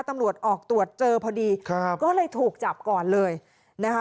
ตำรวจออกตรวจเจอพอดีครับก็เลยถูกจับก่อนเลยนะคะ